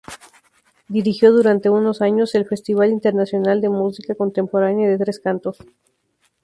Dirigió durante unos años el Festival Internacional de Música Contemporánea de Tres Cantos.